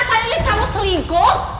saya lihat kamu selingkuh